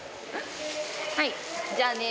はいじゃあね。